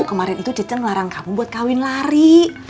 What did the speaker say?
kemarin itu ce ce ngelarang kamu buat kawin lari